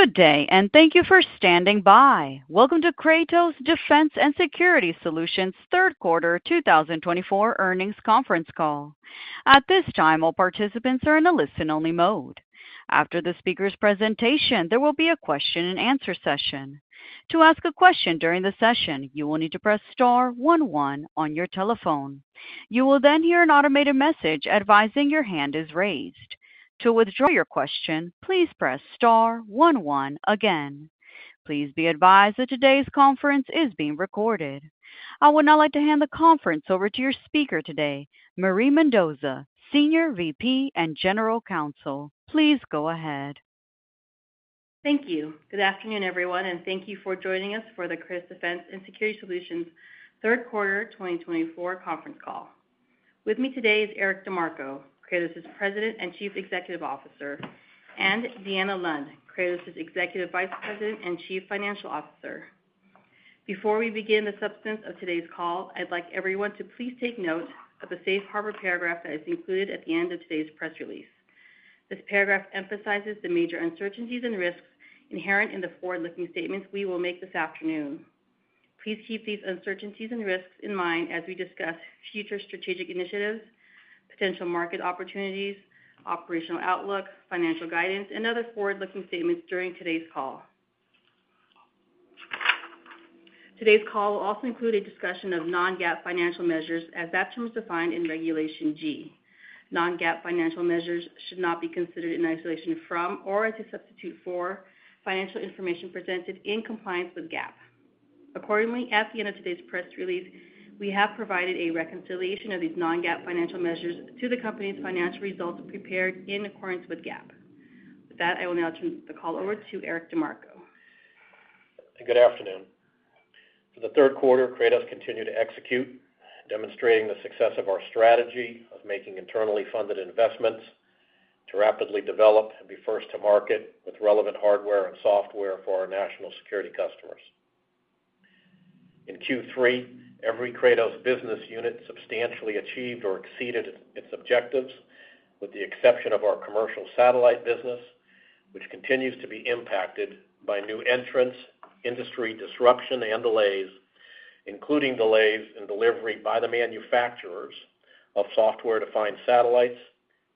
Good day, and thank you for standing by. Welcome to Kratos Defense & Security Solutions' Third Quarter 2024 Earnings Conference Call. At this time, all participants are in a listen-only mode. After the speaker's presentation, there will be a question and answer session. To ask a question during the session, you will need to press star one one on your telephone. You will then hear an automated message advising your hand is raised. To withdraw your question, please press star one one again. Please be advised that today's conference is being recorded. I would now like to hand the conference over to your speaker today, Marie Mendoza, Senior VP and General Counsel. Please go ahead. Thank you. Good afternoon, everyone, and thank you for joining us for the Kratos Defense & Security Solutions' Third Quarter 2024 Conference Call. With me today is Eric DeMarco, Kratos' President and Chief Executive Officer, and Deanna Lund, Kratos' Executive Vice President and Chief Financial Officer. Before we begin the substance of today's call, I'd like everyone to please take note of the safe harbor paragraph that is included at the end of today's press release. This paragraph emphasizes the major uncertainties and risks inherent in the forward-looking statements we will make this afternoon. Please keep these uncertainties and risks in mind as we discuss future strategic initiatives, potential market opportunities, operational outlook, financial guidance, and other forward-looking statements during today's call. Today's call will also include a discussion of non-GAAP financial measures as that term is defined in Regulation G. Non-GAAP financial measures should not be considered in isolation from or to substitute for financial information presented in compliance with GAAP. Accordingly, at the end of today's press release, we have provided a reconciliation of these non-GAAP financial measures to the company's financial results prepared in accordance with GAAP. With that, I will now turn the call over to Eric DeMarco. Good afternoon. For the third quarter, Kratos continued to execute, demonstrating the success of our strategy of making internally funded investments to rapidly develop and be first to market with relevant hardware and software for our national security customers. In Q3, every Kratos business unit substantially achieved or exceeded its objectives, with the exception of our commercial satellite business, which continues to be impacted by new entrants, industry disruption, and delays, including delays in delivery by the manufacturers of software-defined satellites,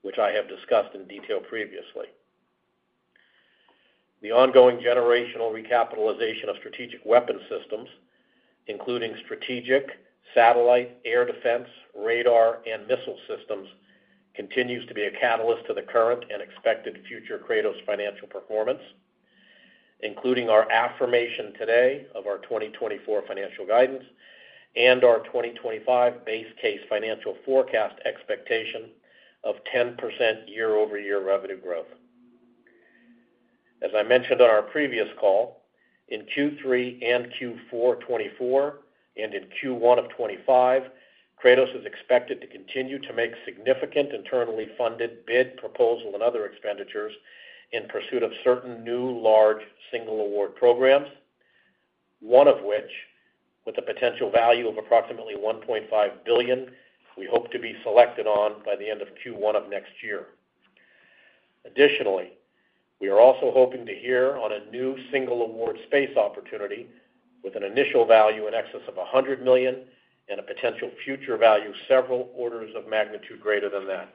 which I have discussed in detail previously. The ongoing generational recapitalization of strategic weapons systems, including strategic satellite, air defense, radar, and missile systems, continues to be a catalyst to the current and expected future Kratos financial performance, including our affirmation today of our 2024 financial guidance and our 2025 base case financial forecast expectation of 10% YoY revenue growth. As I mentioned on our previous call, in Q3 and Q4 2024 and in Q1 of 2025, Kratos is expected to continue to make significant internally funded bid, proposal, and other expenditures in pursuit of certain new large single award programs, one of which, with a potential value of approximately $1.5 billion, we hope to be selected on by the end of Q1 of next year. Additionally, we are also hoping to hear on a new single award space opportunity with an initial value in excess of $100 million and a potential future value several orders of magnitude greater than that.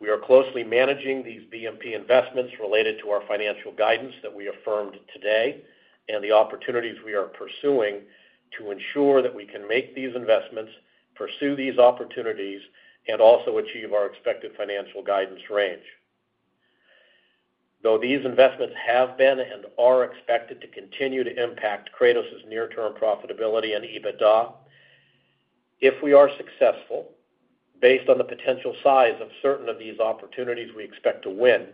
We are closely managing these B&P investments related to our financial guidance that we affirmed today and the opportunities we are pursuing to ensure that we can make these investments, pursue these opportunities, and also achieve our expected financial guidance range. Though these investments have been and are expected to continue to impact Kratos' near-term profitability and EBITDA, if we are successful, based on the potential size of certain of these opportunities we expect to win,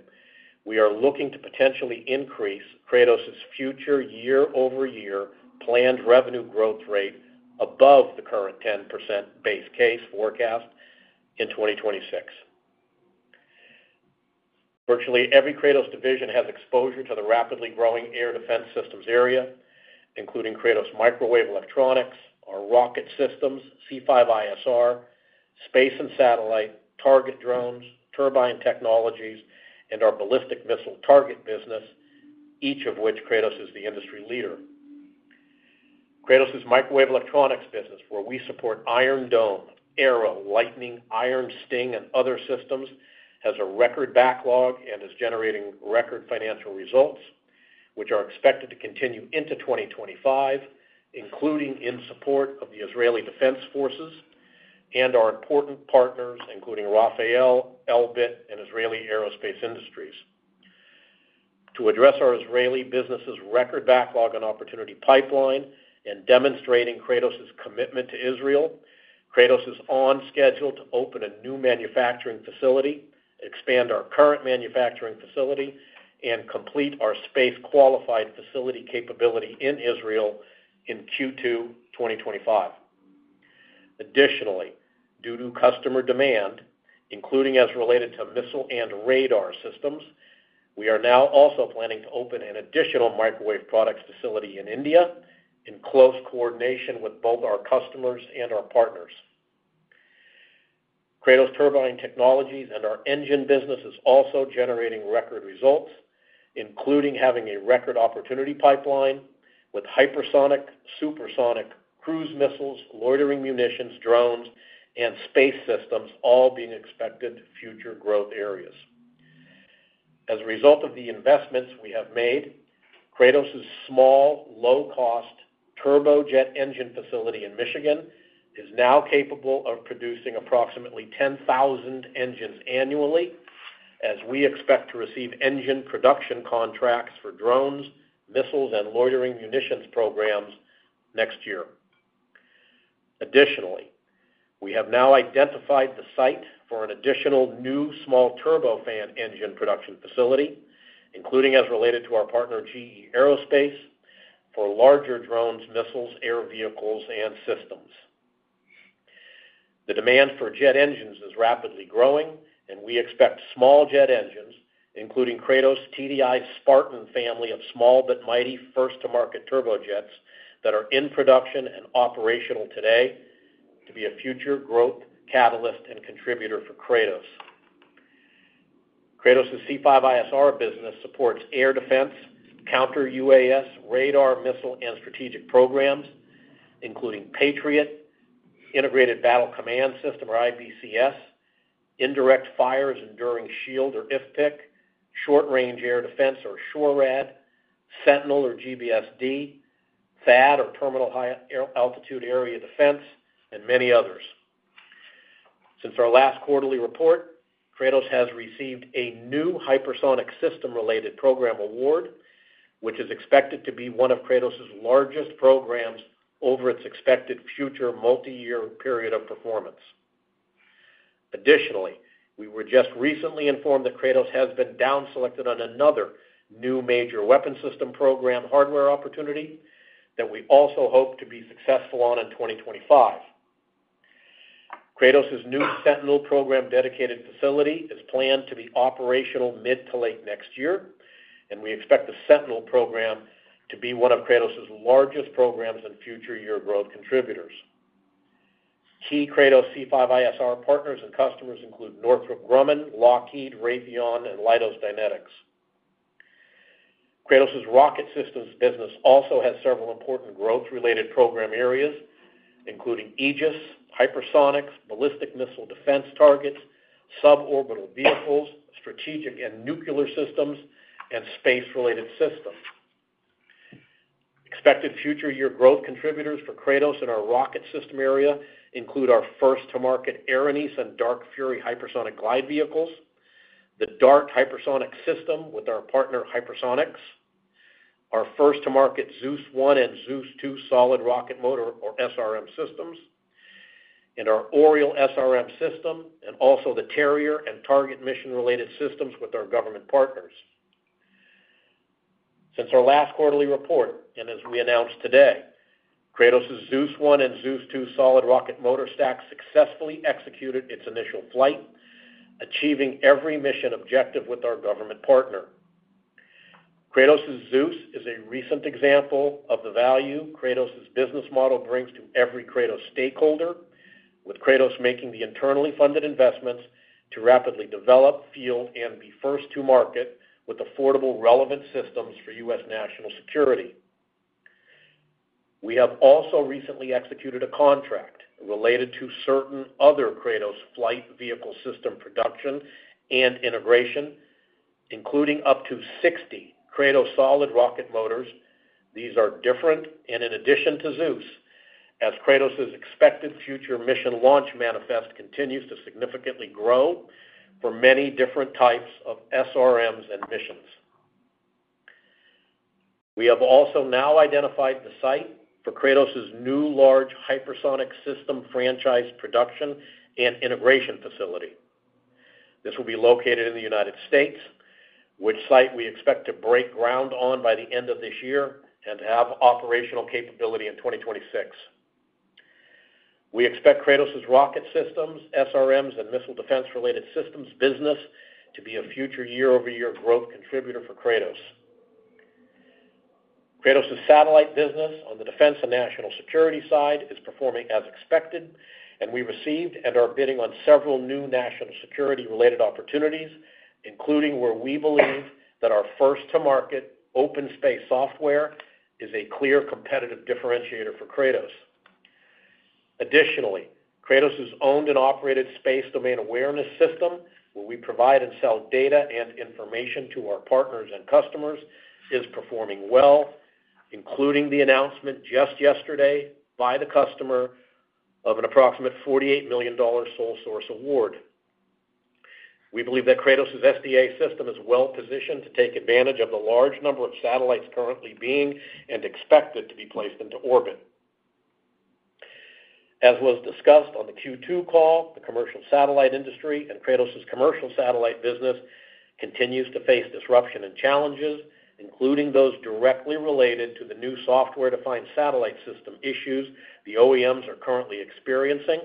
we are looking to potentially increase Kratos' future YoY planned revenue growth rate above the current 10% base case forecast in 2026. Virtually every Kratos division has exposure to the rapidly growing air defense systems area, including Kratos microwave electronics, our rocket systems, C5ISR, space and satellite, target drones, turbine technologies, and our ballistic missile target business, each of which Kratos is the industry leader. Kratos' microwave electronics business, where we support Iron Dome, Arrow, Litening, Iron Sting, and other systems, has a record backlog and is generating record financial results, which are expected to continue into 2025, including in support of the Israel Defense Forces and our important partners, including Rafael, Elbit, and Israel Aerospace Industries. To address our Israeli business's record backlog and opportunity pipeline and demonstrating Kratos' commitment to Israel, Kratos is on schedule to open a new manufacturing facility, expand our current manufacturing facility, and complete our space-qualified facility capability in Israel in Q2 2025. Additionally, due to customer demand, including as related to missile and radar systems, we are now also planning to open an additional microwave products facility in India in close coordination with both our customers and our partners. Kratos Turbine Technologies and our engine business is also generating record results, including having a record opportunity pipeline with hypersonic, supersonic, cruise missiles, loitering munitions, drones, and space systems, all being expected future growth areas. As a result of the investments we have made, Kratos' small, low-cost turbojet engine facility in Michigan is now capable of producing approximately 10,000 engines annually, as we expect to receive engine production contracts for drones, missiles, and loitering munitions programs next year. Additionally, we have now identified the site for an additional new small turbofan engine production facility, including as related to our partner GE Aerospace, for larger drones, missiles, air vehicles, and systems. The demand for jet engines is rapidly growing, and we expect small jet engines, including Kratos TDI Spartan family of small but mighty first-to-market turbojets that are in production and operational today, to be a future growth catalyst and contributor for Kratos. Kratos' C5ISR business supports air defense, counter-UAS, radar, missile, and strategic programs, including Patriot, Integrated Battle Command System or IBCS, indirect fire as Enduring Shield or IFPC, short-range air defense or SHORAD, Sentinel or GBSD, THAAD or Terminal High Altitude Area Defense, and many others. Since our last quarterly report, Kratos has received a new hypersonic system-related program award, which is expected to be one of Kratos' largest programs over its expected future multi-year period of performance. Additionally, we were just recently informed that Kratos has been downselected on another new major weapon system program hardware opportunity that we also hope to be successful on in 2025. Kratos' new Sentinel program dedicated facility is planned to be operational mid to late next year, and we expect the Sentinel program to be one of Kratos' largest programs and future year growth contributors. Key Kratos C5ISR partners and customers include Northrop Grumman, Lockheed, Raytheon, and Leidos Dynetics. Kratos' rocket systems business also has several important growth-related program areas, including Aegis, hypersonics, ballistic missile defense targets, suborbital vehicles, strategic and nuclear systems, and space-related systems. Expected future year growth contributors for Kratos in our rocket system area include our first-to-market Erinyes and Dark Fury hypersonic glide vehicles, the DART hypersonic system with our partner Hypersonix, our first-to-market Zeus 1 and Zeus 2 solid rocket motor or SRM systems, and our Oriole SRM system, and also the Terrier and target mission-related systems with our government partners. Since our last quarterly report, and as we announced today, Kratos' Zeus 1 and Zeus 2 solid rocket motor stack successfully executed its initial flight, achieving every mission objective with our government partner. Kratos' Zeus is a recent example of the value Kratos' business model brings to every Kratos stakeholder, with Kratos making the internally funded investments to rapidly develop, field, and be first to market with affordable, relevant systems for U.S. national security. We have also recently executed a contract related to certain other Kratos flight vehicle system production and integration, including up to 60 Kratos solid rocket motors. These are different and in addition to Zeus, as Kratos' expected future mission launch manifest continues to significantly grow for many different types of SRMs and missions. We have also now identified the site for Kratos' new large hypersonic system franchise production and integration facility. This will be located in the United States, which site we expect to break ground on by the end of this year and to have operational capability in 2026. We expect Kratos' rocket systems, SRMs, and missile defense-related systems business to be a future year-over-year growth contributor for Kratos. Kratos' satellite business on the defense and national security side is performing as expected, and we received and are bidding on several new national security-related opportunities, including where we believe that our first-to-market OpenSpace software is a clear competitive differentiator for Kratos. Additionally, Kratos' owned and operated space domain awareness system, where we provide and sell data and information to our partners and customers, is performing well, including the announcement just yesterday by the customer of an approximate $48 million sole source award. We believe that Kratos' SDA system is well positioned to take advantage of the large number of satellites currently being and expected to be placed into orbit. As was discussed on the Q2 call, the commercial satellite industry and Kratos' commercial satellite business continues to face disruption and challenges, including those directly related to the new software-defined satellite system issues the OEMs are currently experiencing,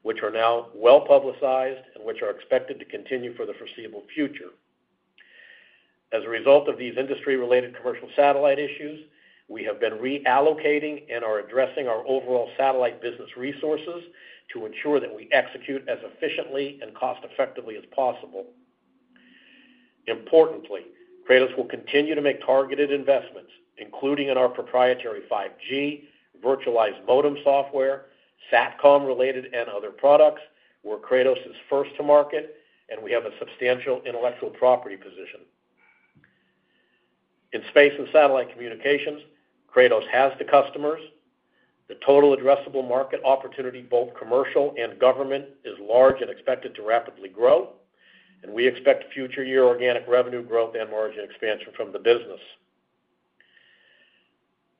which are now well publicized and which are expected to continue for the foreseeable future. As a result of these industry-related commercial satellite issues, we have been reallocating and are addressing our overall satellite business resources to ensure that we execute as efficiently and cost-effectively as possible. Importantly, Kratos will continue to make targeted investments, including in our proprietary 5G, virtualized modem software, SATCOM-related, and other products, where Kratos is first-to-market and we have a substantial intellectual property position. In space and satellite communications, Kratos has the customers. The total addressable market opportunity, both commercial and government, is large and expected to rapidly grow, and we expect future year organic revenue growth and margin expansion from the business.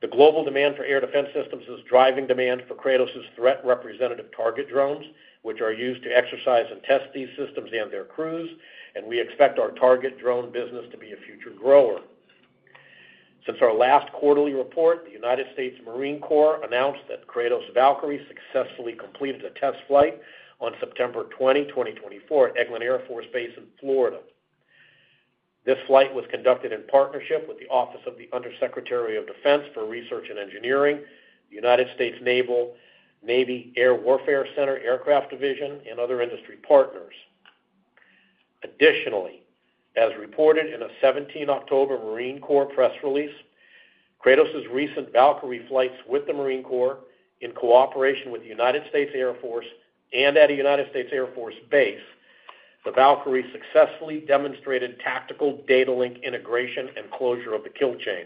The global demand for air defense systems is driving demand for Kratos' threat representative target drones, which are used to exercise and test these systems and their crews, and we expect our target drone business to be a future grower. Since our last quarterly report, the United States Marine Corps announced that Kratos Valkyrie successfully completed a test flight on September 20, 2024, at Eglin Air Force Base in Florida. This flight was conducted in partnership with the Office of the Undersecretary of Defense for Research and Engineering, the United States Navy Air Warfare Center Aircraft Division, and other industry partners. Additionally, as reported in a 17 October Marine Corps press release, Kratos' recent Valkyrie flights with the Marine Corps in cooperation with the United States Air Force and at a United States Air Force base, the Valkyrie successfully demonstrated tactical data link integration and closure of the kill chain.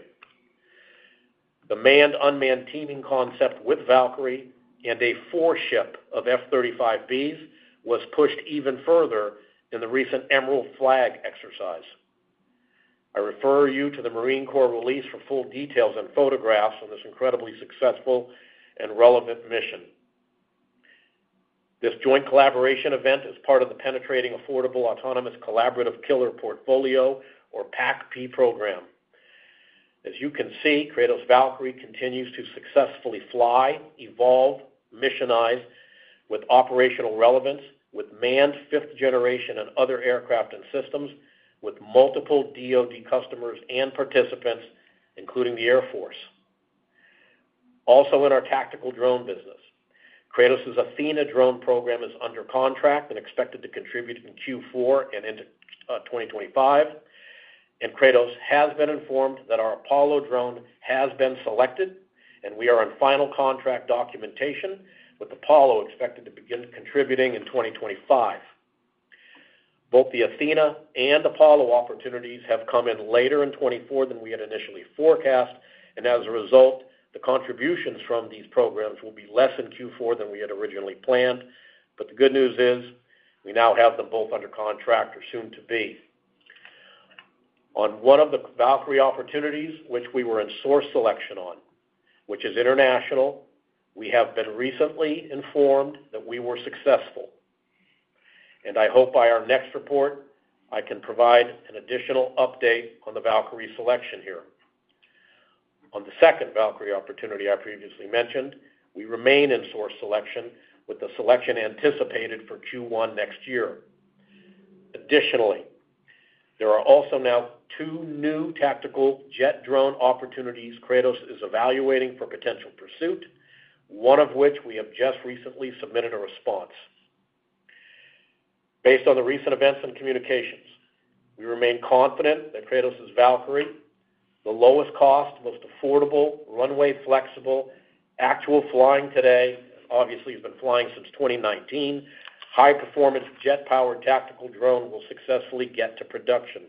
The manned-unmanned teaming concept with Valkyrie and a four-ship of F-35Bs was pushed even further in the recent Emerald Flag exercise. I refer you to the Marine Corps release for full details and photographs on this incredibly successful and relevant mission. This joint collaboration event is part of the Penetrating Affordable Autonomous Collaborative Killer, or PAACK, program. As you can see, Kratos Valkyrie continues to successfully fly, evolve, missionize with operational relevance, with manned fifth-generation and other aircraft and systems, with multiple DOD customers and participants, including the Air Force. Also in our tactical drone business, Kratos' Athena drone program is under contract and expected to contribute in Q4 and into 2025, and Kratos has been informed that our Apollo drone has been selected, and we are on final contract documentation with Apollo expected to begin contributing in 2025. Both the Athena and Apollo opportunities have come in later in 2024 than we had initially forecast, and as a result, the contributions from these programs will be less in Q4 than we had originally planned, but the good news is we now have them both under contract or soon to be. On one of the Valkyrie opportunities, which we were in source selection on, which is international, we have been recently informed that we were successful, and I hope by our next report I can provide an additional update on the Valkyrie selection here. On the second Valkyrie opportunity I previously mentioned, we remain in source selection with the selection anticipated for Q1 next year. Additionally, there are also now two new tactical jet drone opportunities Kratos is evaluating for potential pursuit, one of which we have just recently submitted a response. Based on the recent events and communications, we remain confident that Kratos' Valkyrie, the lowest cost, most affordable, runway-flexible, actual flying today, obviously has been flying since 2019, high-performance jet-powered tactical drone will successfully get to production.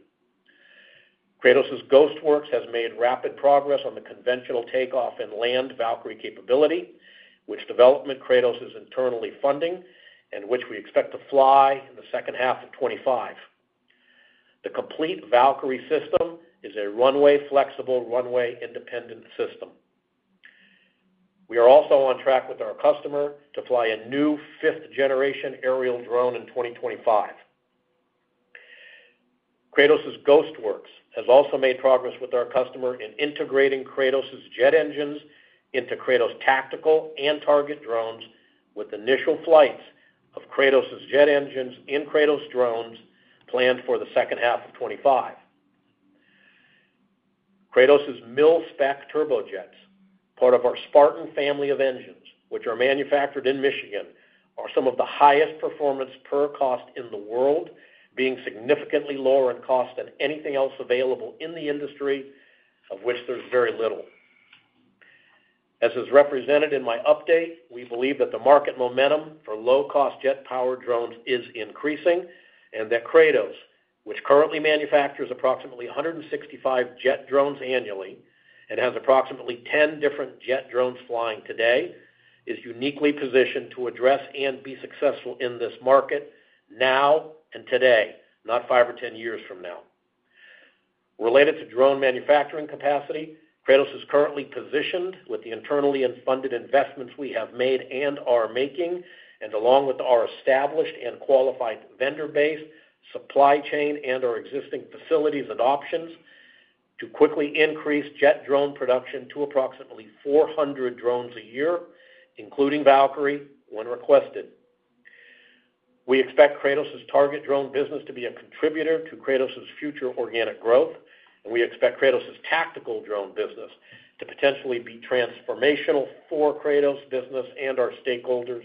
Kratos' Ghostworks has made rapid progress on the conventional takeoff and land Valkyrie capability, which development Kratos is internally funding and which we expect to fly in the second half of 2025. The complete Valkyrie system is a runway-flexible, runway-independent system. We are also on track with our customer to fly a new fifth-generation aerial drone in 2025. Kratos' Ghostworks has also made progress with our customer in integrating Kratos' jet engines into Kratos' tactical and target drones with initial flights of Kratos' jet engines in Kratos' drones planned for the second half of 2025. Kratos' mill-spec turbojets, part of our Spartan family of engines, which are manufactured in Michigan, are some of the highest performance per cost in the world, being significantly lower in cost than anything else available in the industry, of which there's very little. As is represented in my update, we believe that the market momentum for low-cost jet-powered drones is increasing and that Kratos, which currently manufactures approximately 165 jet drones annually and has approximately 10 different jet drones flying today, is uniquely positioned to address and be successful in this market now and today, not five or 10 years from now. Related to drone manufacturing capacity, Kratos is currently positioned with the internally funded investments we have made and are making, and along with our established and qualified vendor base, supply chain, and our existing facilities and options to quickly increase jet drone production to approximately 400 drones a year, including Valkyrie, when requested. We expect Kratos' target drone business to be a contributor to Kratos' future organic growth, and we expect Kratos' tactical drone business to potentially be transformational for Kratos' business and our stakeholders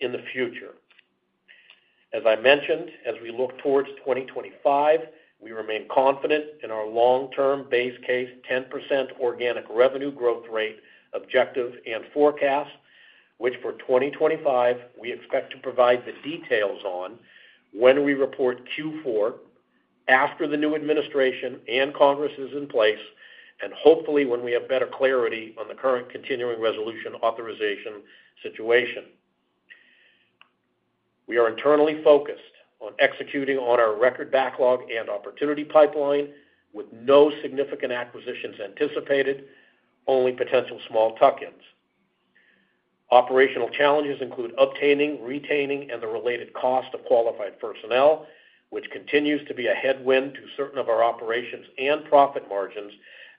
in the future. As I mentioned, as we look towards 2025, we remain confident in our long-term base case 10% organic revenue growth rate objective and forecast, which for 2025 we expect to provide the details on when we report Q4 after the new administration and Congress is in place, and hopefully when we have better clarity on the current continuing resolution authorization situation. We are internally focused on executing on our record backlog and opportunity pipeline with no significant acquisitions anticipated, only potential small tuck-ins. Operational challenges include obtaining, retaining, and the related cost of qualified personnel, which continues to be a headwind to certain of our operations and profit margins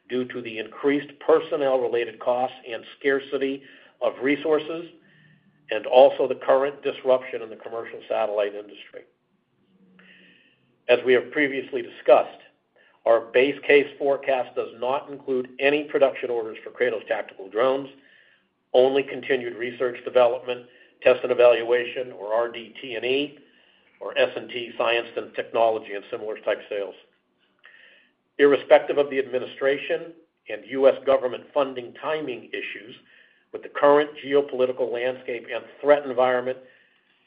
due to the increased personnel-related costs and scarcity of resources, and also the current disruption in the commercial satellite industry. As we have previously discussed, our base case forecast does not include any production orders for Kratos' tactical drones, only continued research development, test and evaluation, or RDT&E, or S&T, science and technology and similar-type sales. Irrespective of the administration and U.S. government funding timing issues, with the current geopolitical landscape and threat environment,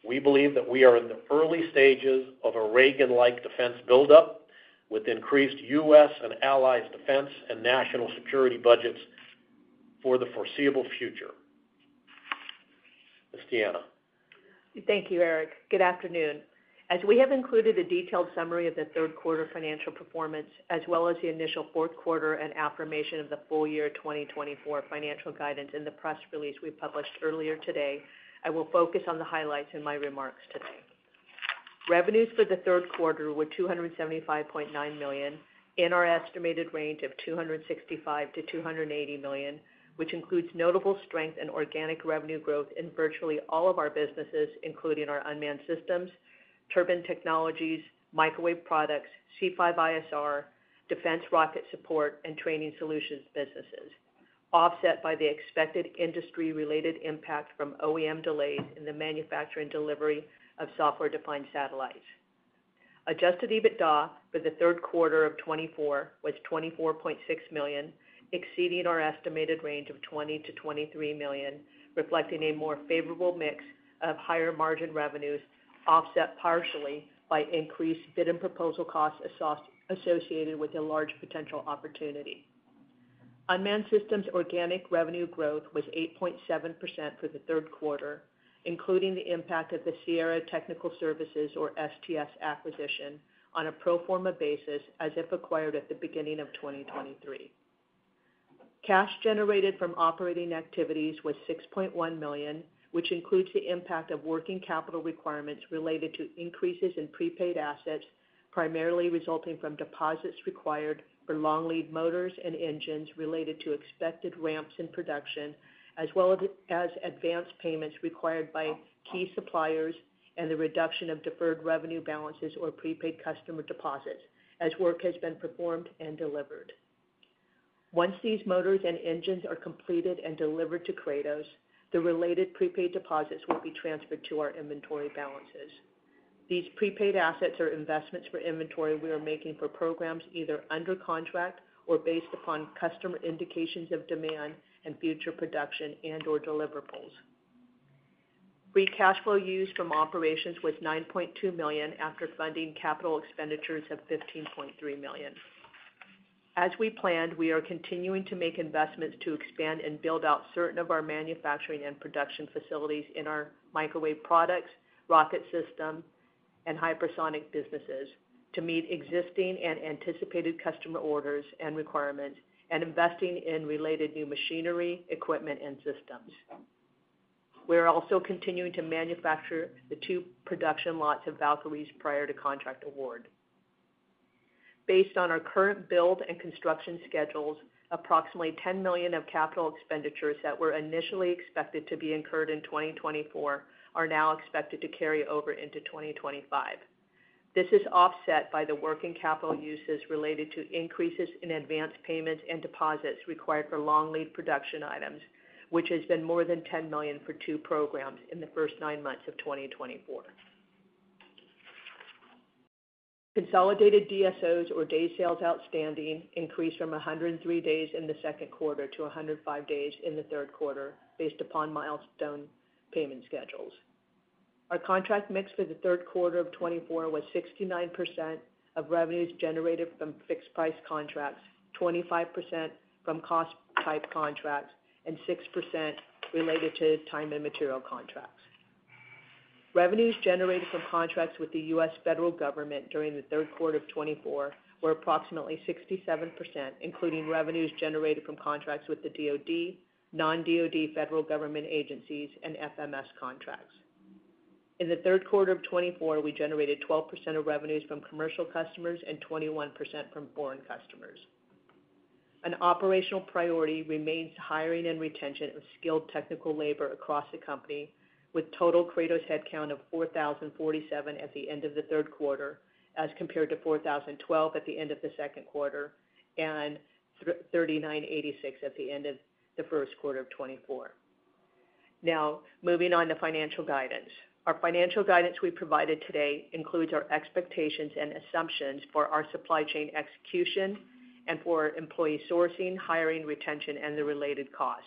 we believe that we are in the early stages of a Reagan-like defense buildup with increased U.S. and allies' defense and national security budgets for the foreseeable future. Thank you, Eric. Good afternoon. As we have included a detailed summary of the third quarter financial performance, as well as the initial fourth quarter and affirmation of the full year 2024 financial guidance in the press release we published earlier today, I will focus on the highlights in my remarks today. Revenues for the third quarter were $275.9 million in our estimated range of $265 million-$280 million, which includes notable strength and organic revenue growth in virtually all of our businesses, including our unmanned systems, turbine technologies, microwave products, C5ISR, defense rocket support, and training solutions businesses, offset by the expected industry-related impact from OEM delays in the manufacturing delivery of software-defined satellites. Adjusted EBITDA for the third quarter of 2024 was $24.6 million, exceeding our estimated range of $20 million-$23 million, reflecting a more favorable mix of higher margin revenues offset partially by increased bid and proposal costs associated with a large potential opportunity. Unmanned systems organic revenue growth was 8.7% for the third quarter, including the impact of the Sierra Technical Services, or STS, acquisition on a pro forma basis as if acquired at the beginning of 2023. Cash generated from operating activities was $6.1 million, which includes the impact of working capital requirements related to increases in prepaid assets, primarily resulting from deposits required for long lead motors and engines related to expected ramps in production, as well as advance payments required by key suppliers and the reduction of deferred revenue balances or prepaid customer deposits as work has been performed and delivered. Once these motors and engines are completed and delivered to Kratos, the related prepaid deposits will be transferred to our inventory balances. These prepaid assets are investments for inventory we are making for programs either under contract or based upon customer indications of demand and future production and/or deliverables. Free cash flow used from operations was $9.2 million after funding capital expenditures of $15.3 million. As we planned, we are continuing to make investments to expand and build out certain of our manufacturing and production facilities in our microwave products, rocket system, and hypersonic businesses to meet existing and anticipated customer orders and requirements and investing in related new machinery, equipment, and systems. We are also continuing to manufacture the two production lots of Valkyries prior to contract award. Based on our current build and construction schedules, approximately $10 million of capital expenditures that were initially expected to be incurred in 2024 are now expected to carry over into 2025. This is offset by the working capital uses related to increases in advance payments and deposits required for long lead production items, which has been more than $10 million for two programs in the first nine months of 2024. Consolidated DSOs, or day sales outstanding, increased from 103 days in the second quarter to 105 days in the third quarter based upon milestone payment schedules. Our contract mix for the third quarter of 2024 was 69% of revenues generated from fixed-price contracts, 25% from cost-type contracts, and 6% related to time and material contracts. Revenues generated from contracts with the U.S. federal government during the third quarter of 2024 were approximately 67%, including revenues generated from contracts with the DOD, non-DOD federal government agencies, and FMS contracts. In the third quarter of 2024, we generated 12% of revenues from commercial customers and 21% from foreign customers. An operational priority remains hiring and retention of skilled technical labor across the company, with total Kratos headcount of 4,047 at the end of the third quarter as compared to 4,012 at the end of the second quarter and 3,986 at the end of the first quarter of 2024. Now, moving on to financial guidance. Our financial guidance we provided today includes our expectations and assumptions for our supply chain execution and for employee sourcing, hiring, retention, and the related cost.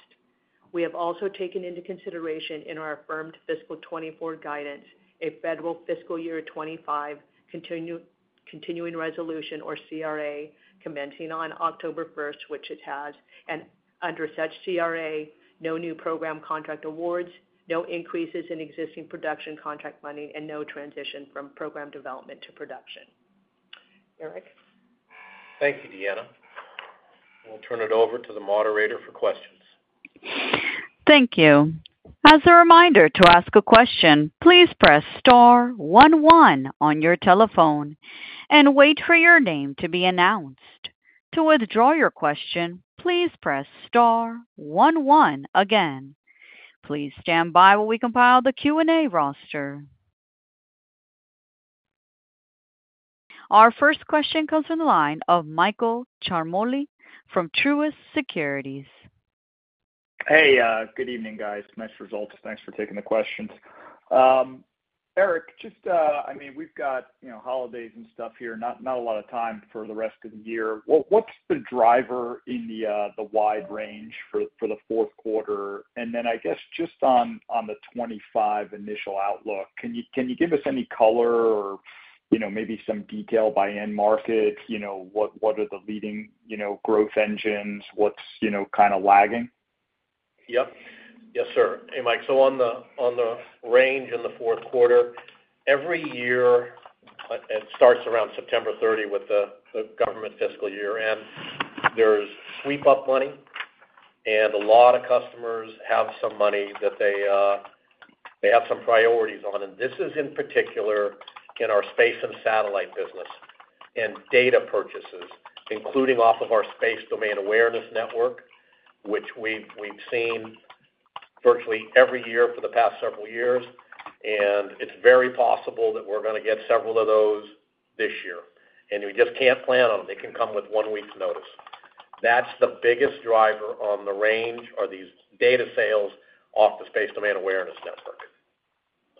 We have also taken into consideration in our affirmed fiscal 2024 guidance a federal fiscal year 2025 continuing resolution, or CRA, commencing on October 1st, which it has, and under such CRA, no new program contract awards, no increases in existing production contract funding, and no transition from program development to production. Eric. Thank you, Deanna. We'll turn it over to the moderator for questions. Thank you. As a reminder to ask a question, please press star one one on your telephone and wait for your name to be announced. To withdraw your question, please press star one one again. Please stand by while we compile the Q&A roster. Our first question comes from the line of Michael Ciarmoli from Truist Securities. Hey, good evening, guys. Nice results. Thanks for taking the questions. Eric, just, I mean, we've got holidays and stuff here, not a lot of time for the rest of the year. What's the driver in the wide range for the fourth quarter? And then I guess just on the 2025 initial outlook, can you give us any color or maybe some detail by end market? What are the leading growth engines? What's kind of lagging? Yep. Yes, sir. Hey, Mike. So on the range in the fourth quarter, every year it starts around September 30 with the government fiscal year, and there's sweep-up money, and a lot of customers have some money that they have some priorities on. And this is in particular in our space and satellite business and data purchases, including off of our space domain awareness network, which we've seen virtually every year for the past several years. It's very possible that we're going to get several of those this year. We just can't plan on them. They can come with one week's notice. That's the biggest driver on the range are these data sales off the Space Domain Awareness network.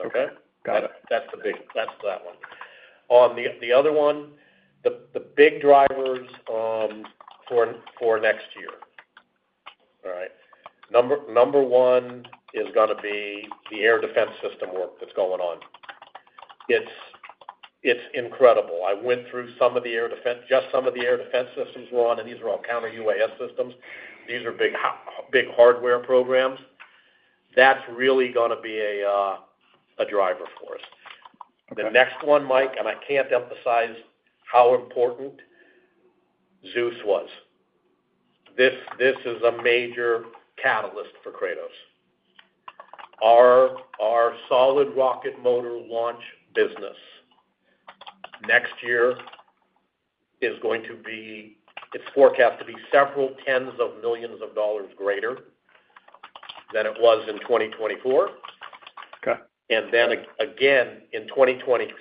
Okay? Got it. That's the big. That's that one. On the other one, the big drivers for next year. All right. Number one is going to be the air defense system work that's going on. It's incredible. I went through some of the air defense systems we're on, and these are all counter-UAS systems. These are big hardware programs. That's really going to be a driver for us. The next one, Mike, and I can't emphasize how important Zeus was. This is a major catalyst for Kratos. Our solid rocket motor launch business next year is going to be it's forecast to be several tens of millions of dollars greater than it was in 2024. And then again in 2026,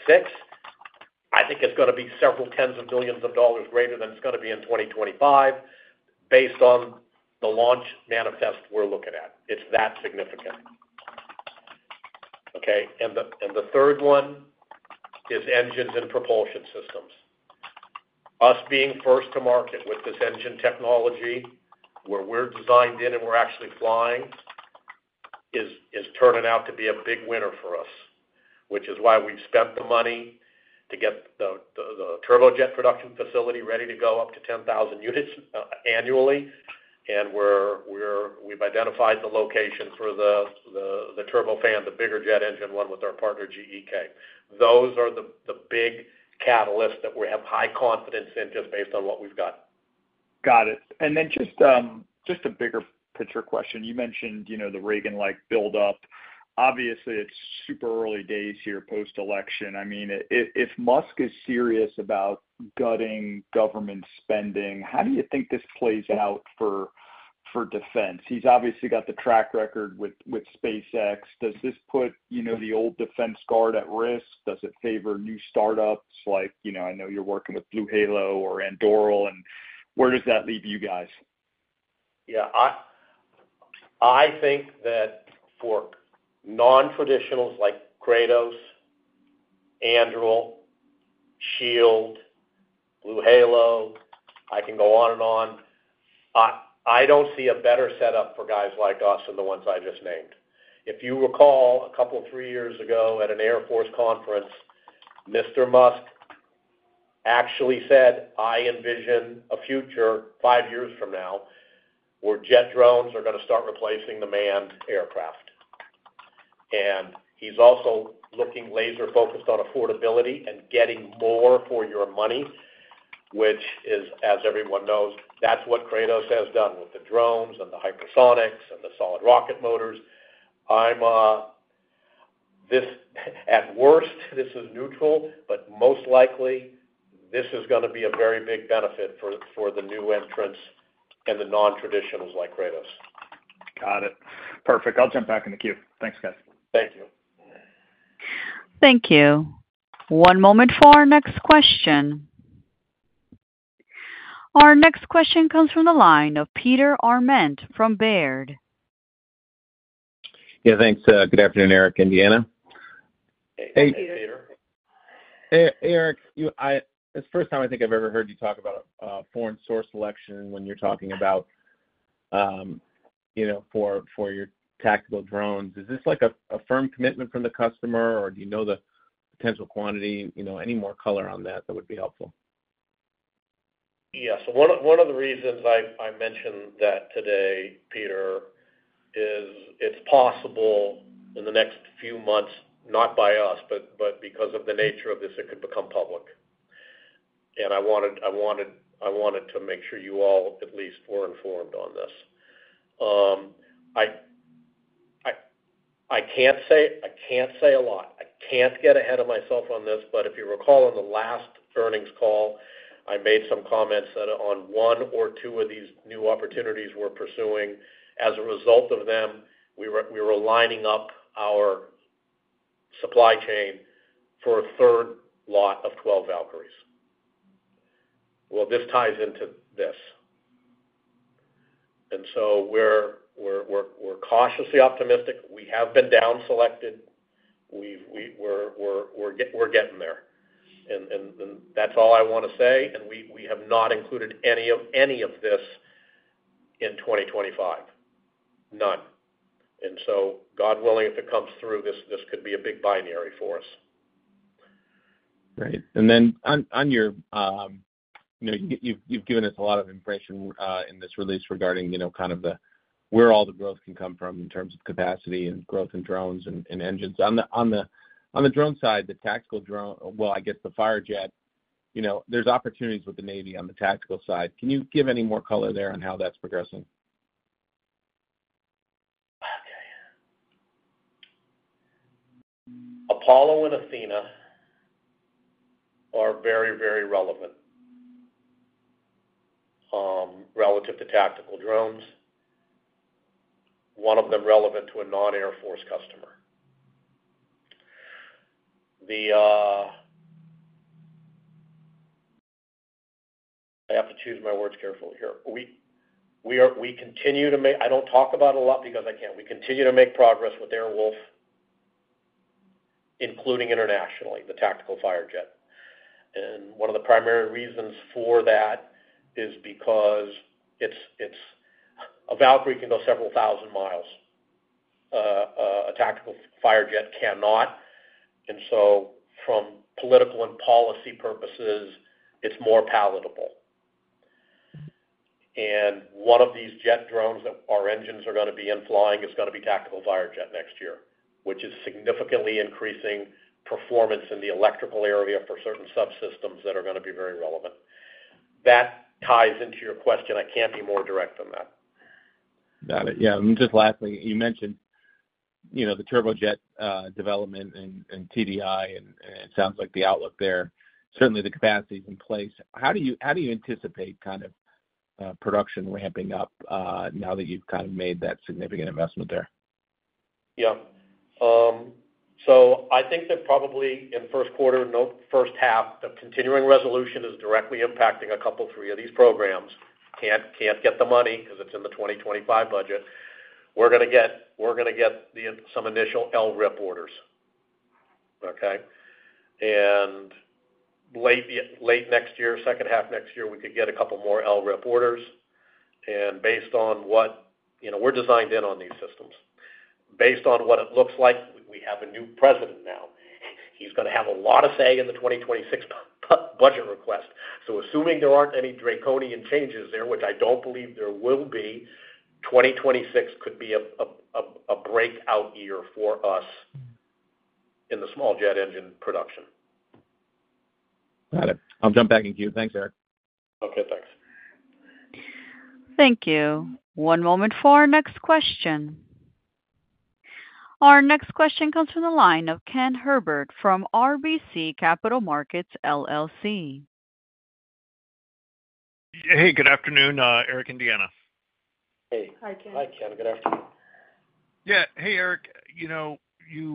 I think it's going to be several tens of millions of dollars greater than it's going to be in 2025 based on the launch manifest we're looking at. It's that significant. Okay? And the third one is engines and propulsion systems. Us being first to market with this engine technology where we're designed in and we're actually flying is turning out to be a big winner for us, which is why we've spent the money to get the turbojet production facility ready to go up to 10,000 units annually, and we've identified the location for the turbofan, the bigger jet engine one with our partner GE. Those are the big catalysts that we have high confidence in just based on what we've got. Got it. And then just a bigger picture question. You mentioned the Reagan-like buildup. Obviously, it's super early days here post-election. I mean, if Musk is serious about gutting government spending, how do you think this plays out for defense? He's obviously got the track record with SpaceX. Does this put the old defense guard at risk? Does it favor new startups? I know you're working with BlueHalo or Anduril. And where does that leave you guys? Yeah. I think that for non-traditionals like Kratos, Anduril, Shield, BlueHalo, I can go on and on. I don't see a better setup for guys like us than the ones I just named. If you recall, a couple of three years ago at an Air Force conference, Mr. Musk actually said, "I envision a future five years from now where jet drones are going to start replacing the manned aircraft," and he's also looking laser-focused on affordability and getting more for your money, which is, as everyone knows, that's what Kratos has done with the drones and the hypersonics and the solid rocket motors. At worst, this is neutral, but most likely, this is going to be a very big benefit for the new entrants and the non-traditionals like Kratos. Got it. Perfect. I'll jump back in the queue. Thanks, guys. Thank you. Thank you. One moment for our next question. Our next question comes from the line of Peter Arment from Baird. Yeah. Thanks. Good afternoon, Eric and Deanna. Hey, Peter. Hey, Eric. It's the first time I think I've ever heard you talk about foreign source selection when you're talking about for your tactical drones. Is this a firm commitment from the customer, or do you know the potential quantity? Any more color on that that would be helpful? Yeah. One of the reasons I mentioned that today, Peter, is it's possible in the next few months, not by us, but because of the nature of this, it could become public. I wanted to make sure you all at least were informed on this. I can't say a lot. I can't get ahead of myself on this, but if you recall, in the last earnings call, I made some comments that on one or two of these new opportunities we're pursuing, as a result of them, we were lining up our supply chain for a third lot of 12 Valkyries. This ties into this. We're cautiously optimistic. We have been downselected. We're getting there. That's all I want to say. We have not included any of this in 2025. None. God willing, if it comes through, this could be a big binary for us. Right. Then, you've given us a lot of information in this release regarding kind of where all the growth can come from in terms of capacity and growth in drones and engines. On the drone side, the tactical drone, well, I guess the Firejet, there's opportunities with the Navy on the tactical side. Can you give any more color there on how that's progressing? Okay. Apollo and Athena are very, very relevant relative to tactical drones, one of them relevant to a non-Air Force customer. I have to choose my words carefully here. We continue to make. I don't talk about it a lot because I can't. We continue to make progress with Airwolf, including internationally, the tactical Firejet. One of the primary reasons for that is because a Valkyrie can go several thousand miles. A tactical Firejet cannot. From political and policy purposes, it's more palatable. One of these jet drones that our engines are going to be in flying is going to be tactical Firejet next year, which is significantly increasing performance in the electrical area for certain subsystems that are going to be very relevant. That ties into your question. I can't be more direct than that. Got it. Yeah. Just lastly, you mentioned the turbojet development and TDI, and it sounds like the outlook there, certainly the capacity is in place. How do you anticipate kind of production ramping up now that you've kind of made that significant investment there? Yep. So I think that probably in the first quarter and first half, the continuing resolution is directly impacting a couple of three of these programs. Can't get the money because it's in the 2025 budget. We're going to get some initial LRIP orders. Okay? And late next year, second half next year, we could get a couple more LRIP orders. And based on what we're designed in on these systems. Based on what it looks like, we have a new president now. He's going to have a lot of say in the 2026 budget request. So assuming there aren't any draconian changes there, which I don't believe there will be, 2026 could be a breakout year for us in the small jet engine production. Got it. I'll jump back in queue. Thanks, Eric. Okay. Thanks. Thank you. One moment for our next question. Our next question comes from the line of Ken Herbert from RBC Capital Markets LLC. Hey, good afternoon, Eric. And Deanna. Hey. Hi, Ken. Hi, Ken. Good afternoon. Yeah. Hey, Eric. We've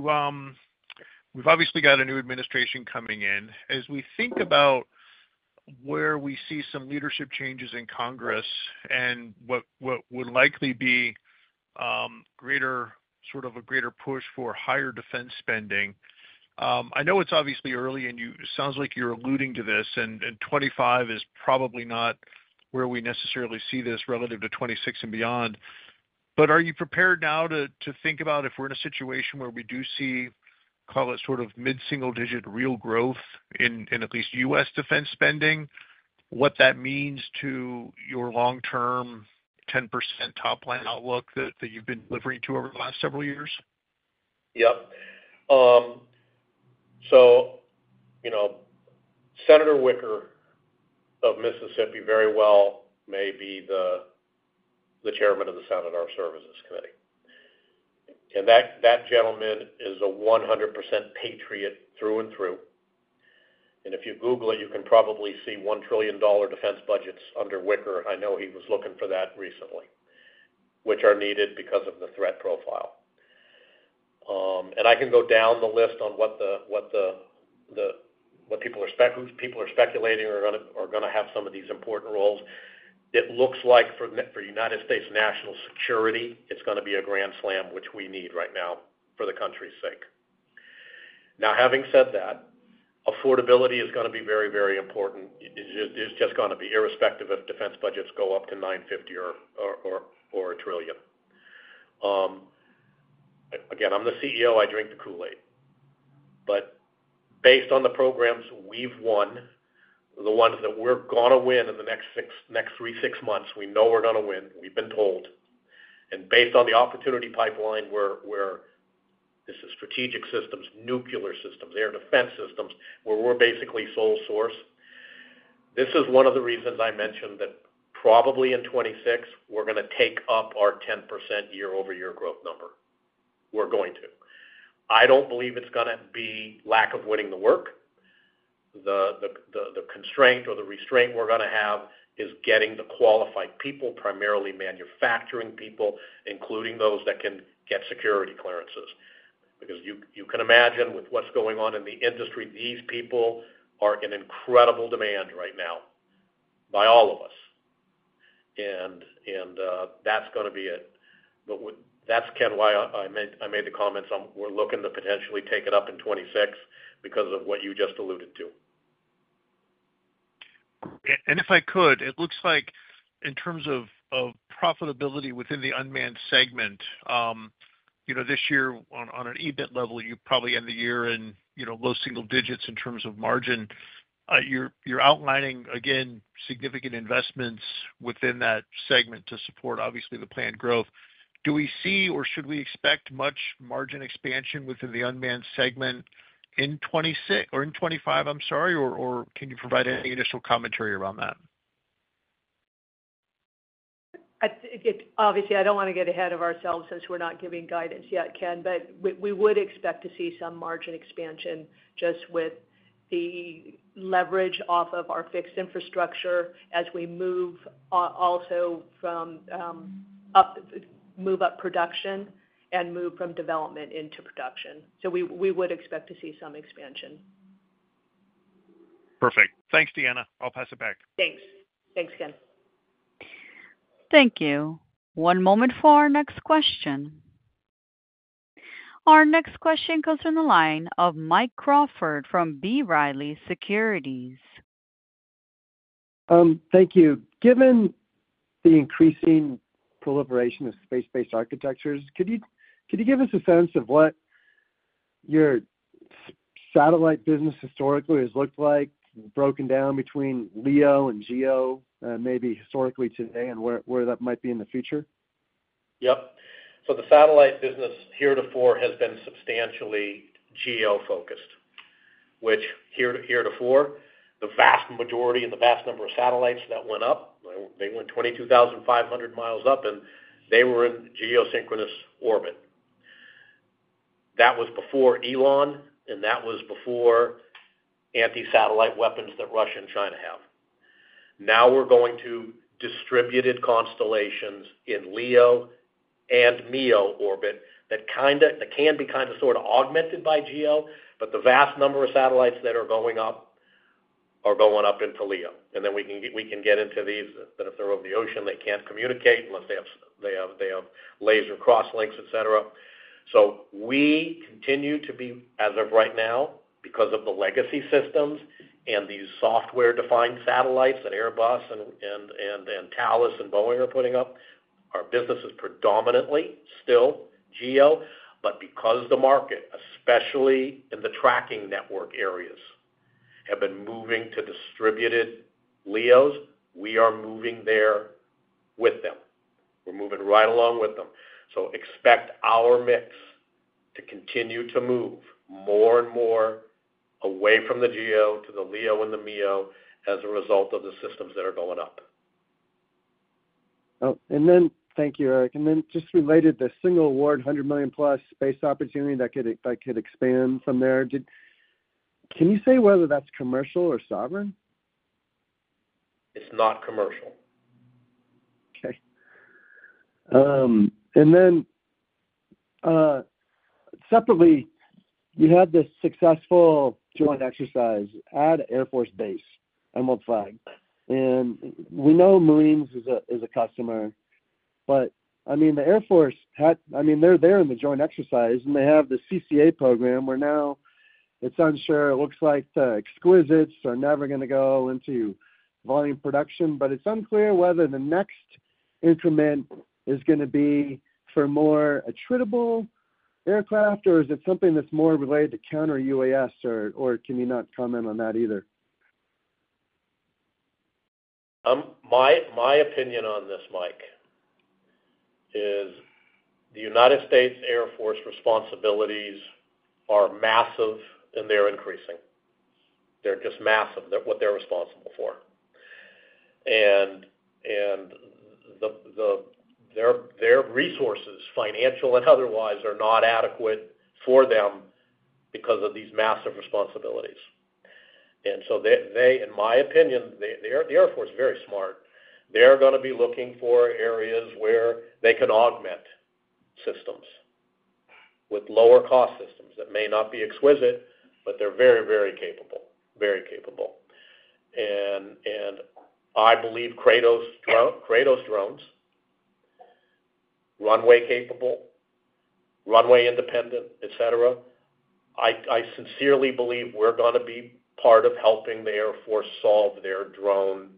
obviously got a new administration coming in. As we think about where we see some leadership changes in Congress and what would likely be sort of a greater push for higher defense spending, I know it's obviously early, and it sounds like you're alluding to this, and 2025 is probably not where we necessarily see this relative to 2026 and beyond. But are you prepared now to think about if we're in a situation where we do see, call it sort of mid-single digit real growth in at least U.S. defense spending, what that means to your long-term 10% top line outlook that you've been delivering to over the last several years Yep. So Senator Wicker of Mississippi very well may be the chairman of the Senate Armed Services Committee. And that gentleman is a 100% Patriot through and through. And if you Google it, you can probably see $1 trillion defense budgets under Wicker. I know he was looking for that recently, which are needed because of the threat profile. And I can go down the list on what people are speculating are going to have some of these important roles. It looks like for United States national security, it's going to be a grand slam, which we need right now for the country's sake. Now, having said that, affordability is going to be very, very important. It's just going to be irrespective if defense budgets go up to $950 billion or $1 trillion. Again, I'm the CEO. I drink the Kool-Aid. Based on the programs we've won, the ones that we're going to win in the next three, six months, we know we're going to win. We've been told. And based on the opportunity pipeline, where this is strategic systems, nuclear systems, air defense systems, where we're basically sole source, this is one of the reasons I mentioned that probably in 2026, we're going to take up our 10% YoY growth number. We're going to. I don't believe it's going to be lack of winning the work. The constraint or the restraint we're going to have is getting the qualified people, primarily manufacturing people, including those that can get security clearances. Because you can imagine with what's going on in the industry, these people are in incredible demand right now by all of us. And that's going to be it. But that's kind of why I made the comments on we're looking to potentially take it up in 2026 because of what you just alluded to. And if I could, it looks like in terms of profitability within the unmanned segment, this year on an EBIT level, you probably end the year in low single digits in terms of margin. You're outlining, again, significant investments within that segment to support, obviously, the planned growth. Do we see or should we expect much margin expansion within the unmanned segment in 2026 or in 2025, I'm sorry? Or can you provide any additional commentary around that? Obviously, I don't want to get ahead of ourselves since we're not giving guidance yet, Ken, but we would expect to see some margin expansion just with the leverage off of our fixed infrastructure as we move up production and move from development into production. So we would expect to see some expansion. Perfect. Thanks, Deanna. I'll pass it back. Thanks. Thanks, Ken. Thank you. One moment for our next question. Our next question goes in the line of Mike Crawford from B. Riley Securities. Thank you. Given the increasing proliferation of space-based architectures, could you give us a sense of what your satellite business historically has looked like, broken down between LEO and GEO, maybe historically today and where that might be in the future? Yep. So the satellite business heretofore has been substantially GEO-focused, which heretofore, the vast majority and the vast number of satellites that went up, they went 22,500 miles up, and they were in geosynchronous orbit. That was before Elon, and that was before anti-satellite weapons that Russia and China have. Now we're going to distributed constellations in LEO and MEO orbit that can be kind of sort of augmented by GEO, but the vast number of satellites that are going up are going up into LEO. And then we can get into these that if they're over the ocean, they can't communicate unless they have laser crosslinks, etc. So we continue to be, as of right now, because of the legacy systems and these software-defined satellites that Airbus and Thales and Boeing are putting up, our business is predominantly still GEO. But because the market, especially in the tracking network areas, has been moving to distributed LEOs, we are moving there with them. We're moving right along with them. So expect our mix to continue to move more and more away from the GEO to the LEO and the MEO as a result of the systems that are going up. And then thank you, Eric. And then just related, the single award, $100 million plus space opportunity that could expand from there, can you say whether that's commercial or sovereign? It's not commercial. Okay. And then separately, you had this successful joint exercise at Eglin Air Force Base, Emerald Flag. And we know Marines is a customer, but I mean, the Air Force, I mean, they're there in the joint exercise, and they have the CCA program. We're now, it's unsure. It looks like the exquisites are never going to go into volume production, but it's unclear whether the next increment is going to be for more attritable aircraft, or is it something that's more related to counter UAS, or can you not comment on that either? My opinion on this, Mike, is the United States Air Force responsibilities are massive, and they're increasing. They're just massive what they're responsible for. Their resources, financial and otherwise, are not adequate for them because of these massive responsibilities. So they, in my opinion, the Air Force is very smart. They're going to be looking for areas where they can augment systems with lower-cost systems that may not be exquisite, but they're very, very capable, very capable. I believe Kratos drones, runway capable, runway independent, etc. I sincerely believe we're going to be part of helping the Air Force solve their drone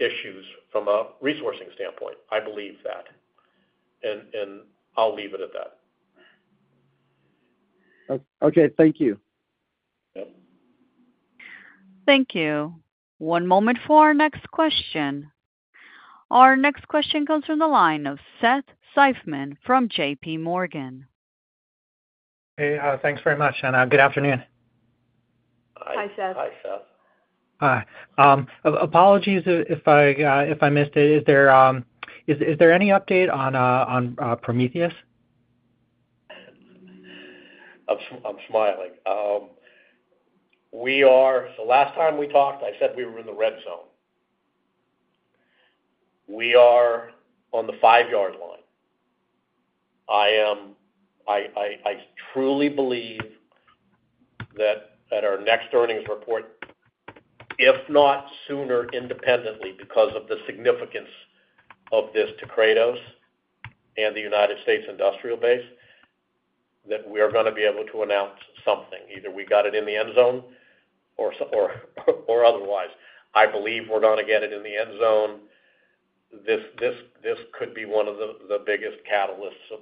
issues from a resourcing standpoint. I believe that. And I'll leave it at that. Okay. Thank you. Yep. Thank you. One moment for our next question. Our next question comes from the line of Seth Seifman from JPMorgan. Hey. Thanks very much, and good afternoon. Hi, Seth. Hi, Seth. Hi. Apologies if I missed it. Is there any update on Prometheus? I'm smiling. The last time we talked, I said we were in the red zone. We are on the five-yard line. I truly believe that at our next earnings report, if not sooner independently because of the significance of this to Kratos and the United States industrial base, that we are going to be able to announce something. Either we got it in the end zone or otherwise. I believe we're going to get it in the end zone. This could be one of the biggest catalysts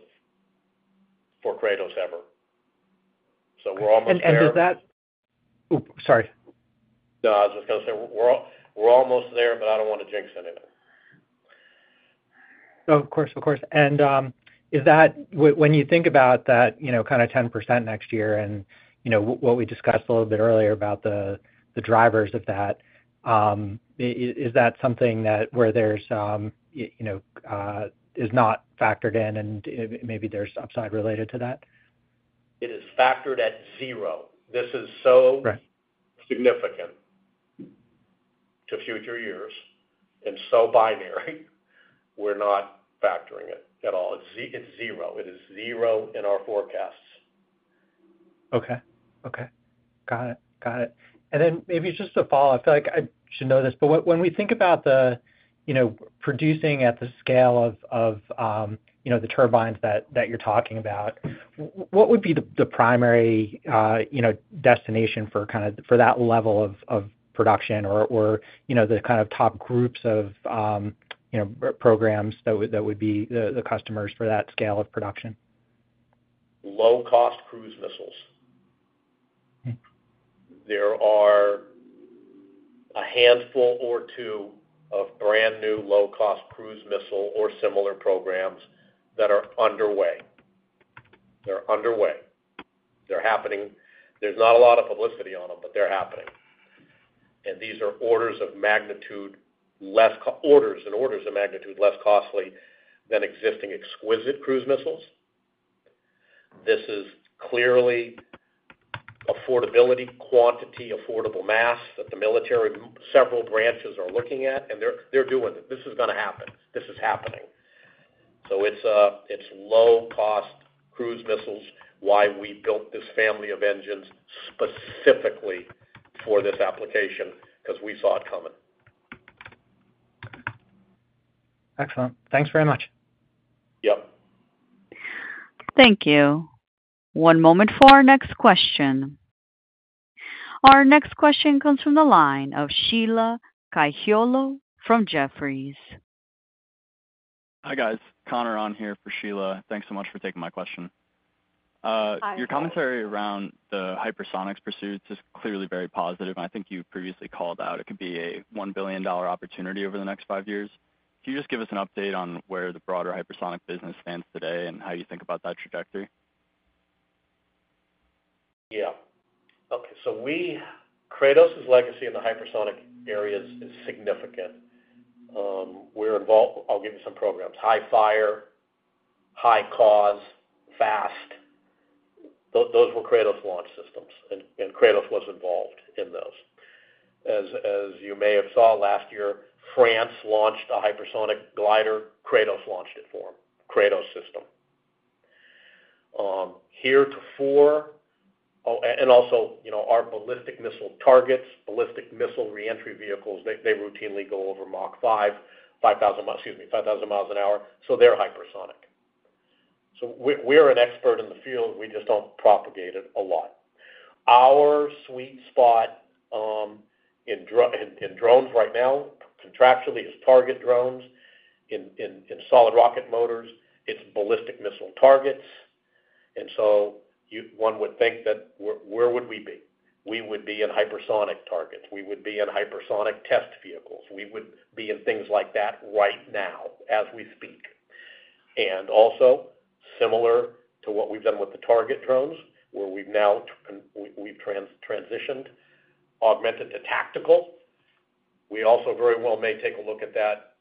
for Kratos ever. So we're almost there. And is that-oop, sorry. No, I was just going to say we're almost there, but I don't want to jinx anything. Oh, of course, of course. And when you think about that kind of 10% next year and what we discussed a little bit earlier about the drivers of that, is that something where there's-is not factored in, and maybe there's upside related to that? It is factored at zero. This is so significant to future years and so binary. We're not factoring it at all. It's zero. It is zero in our forecasts. Okay. Okay. Got it. Got it. And then maybe just to follow, I feel like I should know this, but when we think about the producing at the scale of the turbines that you're talking about, what would be the primary destination for kind of for that level of production or the kind of top groups of programs that would be the customers for that scale of production? Low-cost cruise missiles. There are a handful or two of brand new low-cost cruise missile or similar programs that are underway. They're underway. They're happening. There's not a lot of publicity on them, but they're happening. And these are orders of magnitude. Orders and orders of magnitude less costly than existing exquisite cruise missiles. This is clearly affordability, quantity, affordable mass that the military several branches are looking at, and they're doing it. This is going to happen. This is happening. So it's low-cost cruise missiles, why we built this family of engines specifically for this application because we saw it coming. Excellent. Thanks very much. Yep. Thank you. One moment for our next question. Our next question comes from the line of Sheila Kahyaoglu from Jefferies. Hi, guys. Conor on here for Sheila. Thanks so much for taking my question. Your commentary around the hypersonics pursuits is clearly very positive, and I think you previously called out it could be a $1 billion opportunity over the next five years. Can you just give us an update on where the broader hypersonic business stands today and how you think about that trajectory? Yeah. Okay. So Kratos' legacy in the hypersonic area is significant. I'll give you some programs. HIFiRE, HyCAUSE, FAST. Those were Kratos launch systems, and Kratos was involved in those. As you may have saw last year, France launched a hypersonic glider. Kratos launched it for them. Kratos system. Hypersonic, too, and also our ballistic missile targets, ballistic missile reentry vehicles, they routinely go over Mach 5, 5,000 miles an hour, excuse me, 5,000 miles an hour, so they're hypersonic, so we're an expert in the field. We just don't propagate it a lot. Our sweet spot in drones right now, contractually, is target drones. In solid rocket motors, it's ballistic missile targets, and so one would think that where would we be? We would be in hypersonic targets. We would be in hypersonic test vehicles. We would be in things like that right now as we speak. And also, similar to what we've done with the target drones, where we've now transitioned, augmented to tactical, we also very well may take a look at that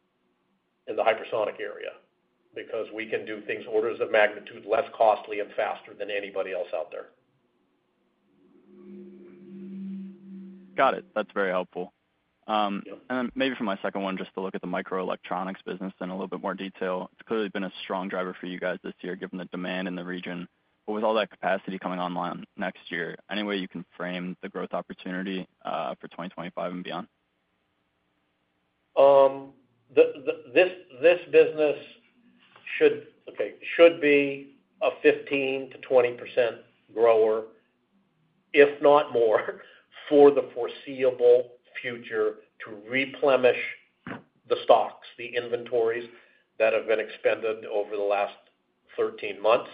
in the hypersonic area because we can do things orders of magnitude less costly and faster than anybody else out there. Got it. That's very helpful. And then maybe for my second one, just to look at the microelectronics business in a little bit more detail. It's clearly been a strong driver for you guys this year given the demand in the region. But with all that capacity coming online next year, any way you can frame the growth opportunity for 2025 and beyond? This business should be a 15%-20% grower, if not more, for the foreseeable future to replenish the stocks, the inventories that have been expended over the last 13 months.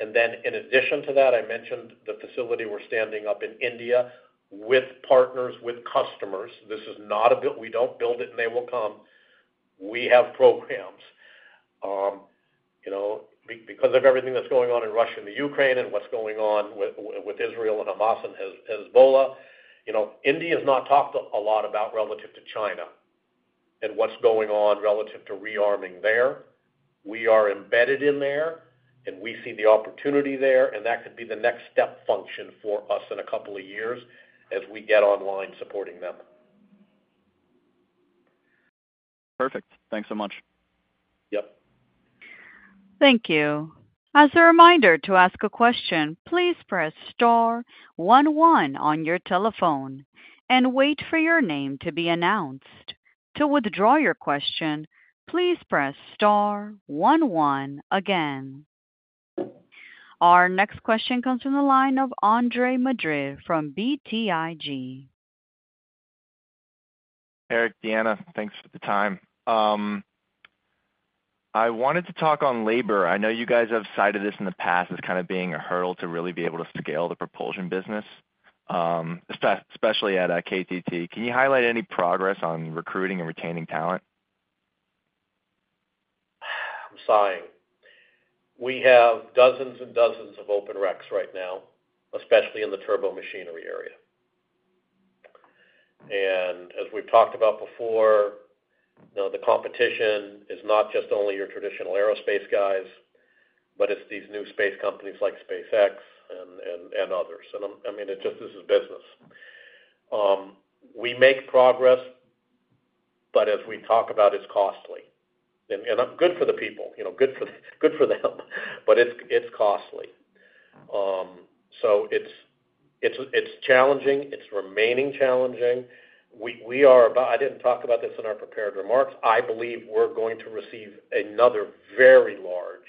And then, in addition to that, I mentioned the facility we're standing up in India with partners, with customers. This is not a build. We don't build it, and they will come. We have programs. Because of everything that's going on in Russia and the Ukraine and what's going on with Israel and Hamas and Hezbollah, India has not talked a lot about relative to China and what's going on relative to rearming there. We are embedded in there, and we see the opportunity there, and that could be the next step function for us in a couple of years as we get online supporting them. Perfect. Thanks so much. Yep. Thank you. As a reminder to ask a question, please press star one one on your telephone and wait for your name to be announced. To withdraw your question, please press star one one again. Our next question comes from the line of Andre Madrid from BTIG. Eric, Deanna, thanks for the time. I wanted to talk on labor. I know you guys have cited this in the past as kind of being a hurdle to really be able to scale the propulsion business, especially at KTT. Can you highlight any progress on recruiting and retaining talent? I'm sorry. We have dozens and dozens of open recs right now, especially in the turbomachinery area. And as we've talked about before, the competition is not just only your traditional aerospace guys, but it's these new space companies like SpaceX and others. And I mean, it's just this is business. We make progress, but as we talk about, it's costly. And good for the people, good for them, but it's costly. So it's challenging. It's remaining challenging. I didn't talk about this in our prepared remarks. I believe we're going to receive another very large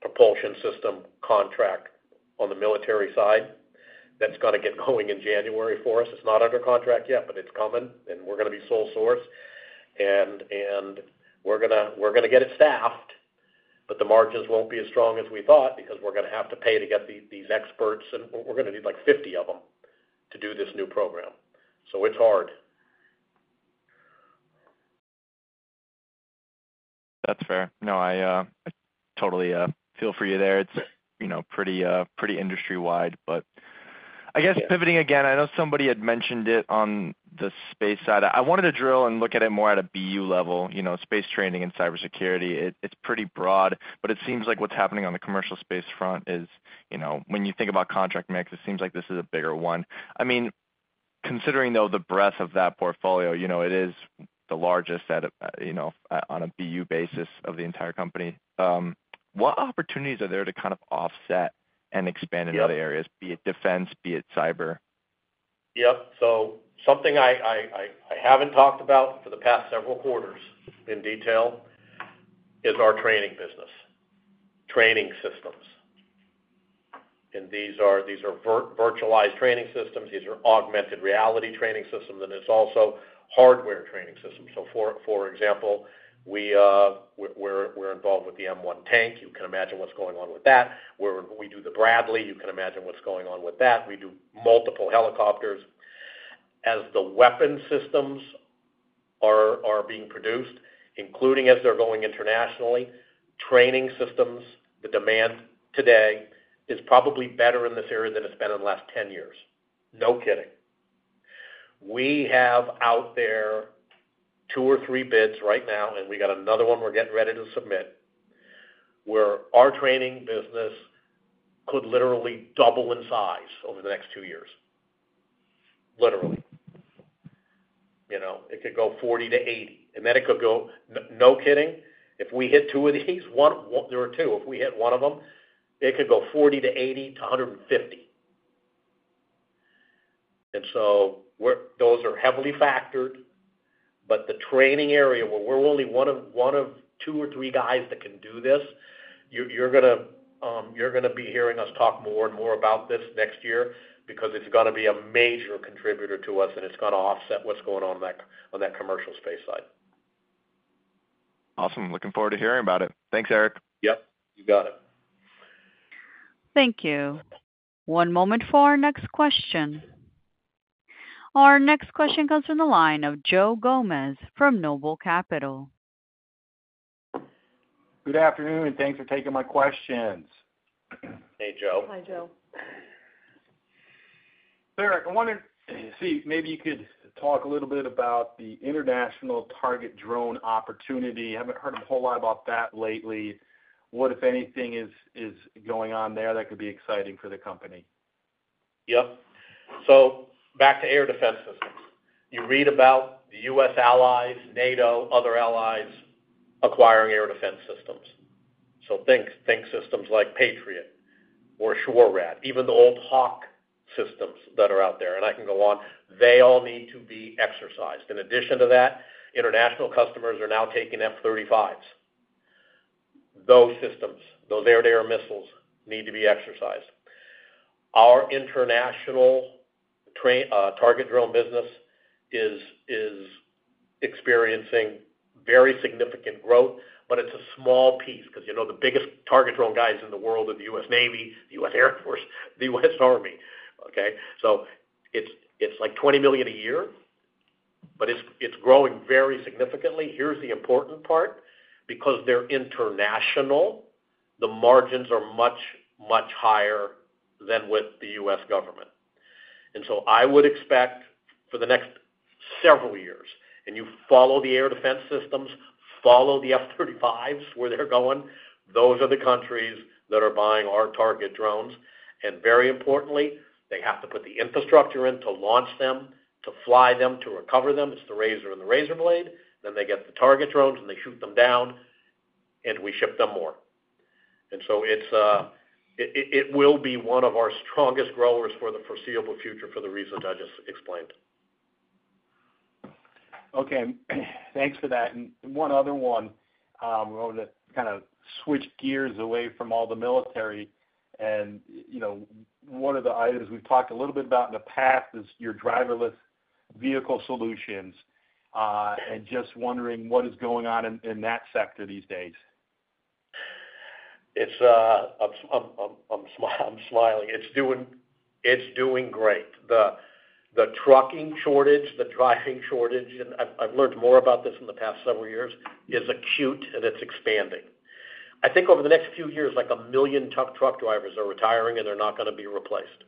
propulsion system contract on the military side that's going to get going in January for us. It's not under contract yet, but it's coming, and we're going to be sole source. And we're going to get it staffed, but the margins won't be as strong as we thought because we're going to have to pay to get these experts, and we're going to need like 50 of them to do this new program. So it's hard. That's fair. No, I totally feel for you there. It's pretty industry-wide. But I guess pivoting again, I know somebody had mentioned it on the space side. I wanted to drill and look at it more at a BU level, space training and cybersecurity. It's pretty broad, but it seems like what's happening on the commercial space front is when you think about contract mix, it seems like this is a bigger one. I mean, considering though the breadth of that portfolio, it is the largest on a BU basis of the entire company. What opportunities are there to kind of offset and expand in other areas, be it defense, be it cyber? Yep. So something I haven't talked about for the past several quarters in detail is our training business, training systems, and these are virtualized training systems. These are augmented reality training systems, and it's also hardware training systems, so for example, we're involved with the M1 tank. You can imagine what's going on with that. We do the Bradley. You can imagine what's going on with that. We do multiple helicopters. As the weapon systems are being produced, including as they're going internationally, training systems, the demand today is probably better in this area than it's been in the last 10 years. No kidding. We have out there two or three bids right now, and we got another one we're getting ready to submit where our training business could literally double in size over the next two years. Literally. It could go 40 to 80. And then it could go, no kidding, if we hit two of these, one or two, if we hit one of them, it could go 40 to 80 to 150. And so those are heavily factored, but the training area where we're only one of two or three guys that can do this, you're going to be hearing us talk more and more about this next year because it's going to be a major contributor to us, and it's going to offset what's going on on that commercial space side. Awesome. Looking forward to hearing about it. Thanks, Eric. Yep. You got it. Thank you. One moment for our next question. Our next question comes from the line of Joe Gomes from Noble Capital. Good afternoon, and thanks for taking my questions. Hey, Joe. Hi, Joe. Eric, I wanted, see, maybe you could talk a little bit about the international target drone opportunity. Haven't heard a whole lot about that lately. What, if anything, is going on there that could be exciting for the company? Yep. So back to air defense systems. You read about the U.S. allies, NATO, other allies acquiring air defense systems. So think systems like Patriot or SHORAD, even the old Hawk systems that are out there. And I can go on. They all need to be exercised. In addition to that, international customers are now taking F-35s. Those systems, those air-to-air missiles need to be exercised. Our international target drone business is experiencing very significant growth, but it's a small piece because the biggest target drone guys in the world are the U.S. Navy, the U.S. Air Force, the U.S. Army. Okay? So it's like $20 million a year, but it's growing very significantly. Here's the important part. Because they're international, the margins are much, much higher than with the U.S. government. And so I would expect for the next several years, and you follow the air defense systems, follow the F-35s where they're going, those are the countries that are buying our target drones. And very importantly, they have to put the infrastructure in to launch them, to fly them, to recover them. It's the razor and the razor blade. Then they get the target drones, and they shoot them down, and we ship them more. And so it will be one of our strongest growers for the foreseeable future for the reasons I just explained. Okay. Thanks for that. And one other one. We're going to kind of switch gears away from all the military. And one of the items we've talked a little bit about in the past is your driverless vehicle solutions. And just wondering what is going on in that sector these days. I'm smiling. It's doing great. The trucking shortage, the driving shortage, and I've learned more about this in the past several years, is acute, and it's expanding. I think over the next few years, like a million truck drivers are retiring, and they're not going to be replaced.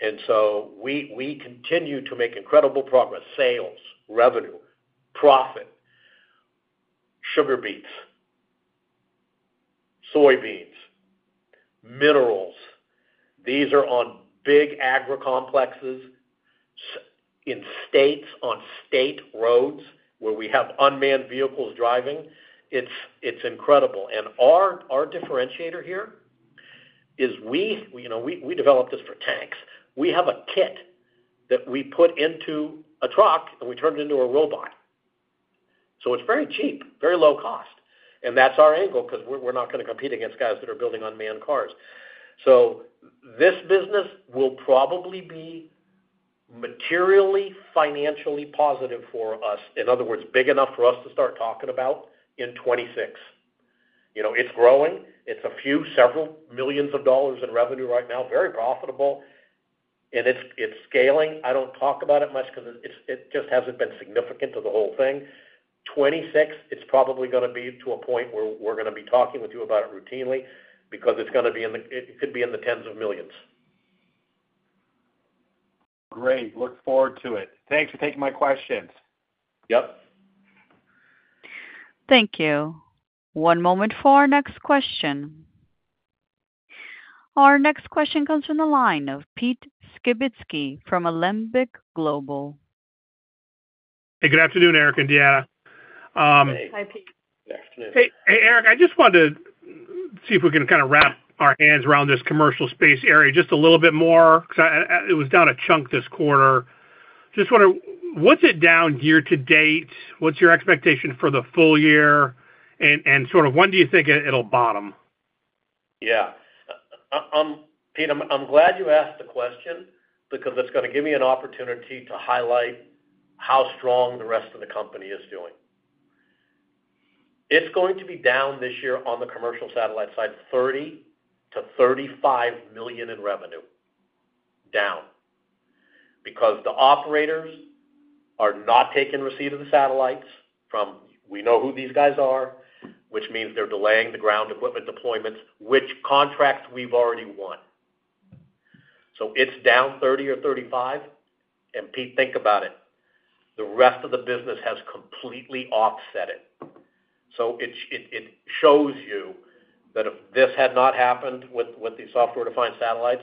And so we continue to make incredible progress: sales, revenue, profit, sugar beets, soybeans, minerals. These are on big agro complexes in states, on state roads where we have unmanned vehicles driving. It's incredible. And our differentiator here is we developed this for tanks. We have a kit that we put into a truck, and we turn it into a robot. So it's very cheap, very low cost. And that's our angle because we're not going to compete against guys that are building unmanned cars. So this business will probably be materially financially positive for us. In other words, big enough for us to start talking about in 2026. It's growing. It's a few several millions of dollars in revenue right now. Very profitable. And it's scaling. I don't talk about it much because it just hasn't been significant to the whole thing. 2026, it's probably going to be to a point where we're going to be talking with you about it routinely because it's going to be in the—it could be in the tens of millions. Great. Look forward to it. Thanks for taking my questions. Yep. Thank you. One moment for our next question. Our next question comes from the line of Pete Skibitski from Alembic Global. Hey, good afternoon, Eric and Deanna. Hi, Pete. Good afternoon. Hey, Eric, I just wanted to see if we can kind of wrap our hands around this commercial space area just a little bit more because it was down a chunk this quarter. Just wondering, what's it down here to date? What's your expectation for the full year? And sort of when do you think it'll bottom? Yeah. Pete, I'm glad you asked the question because it's going to give me an opportunity to highlight how strong the rest of the company is doing. It's going to be down this year on the commercial satellite side, $30 million-$35 million in revenue. Down. Because the operators are not taking receipt of the satellites from - we know who these guys are, which means they're delaying the ground equipment deployments, which contracts we've already won. So it's down $30 million or $35 million. And Pete, think about it. The rest of the business has completely offset it. So it shows you that if this had not happened with these software-defined satellites,